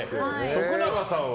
徳永さんは？